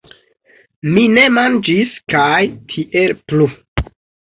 Mi ne manĝis kaj tiel plu.